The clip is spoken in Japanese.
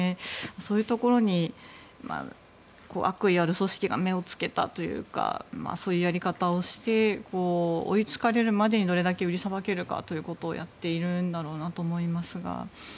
そういうところに悪意ある組織が目をつけたというかそういうやり方をして追いつかれるまでにどれだけ売りさばけるかということをやっているんだと思いますが。